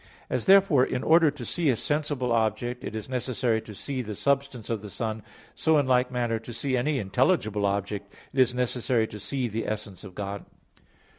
As therefore in order to see a sensible object, it is not necessary to see the substance of the sun, so in like manner to see any intelligible object, it is not necessary to see the essence of God.